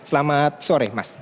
selamat sore mas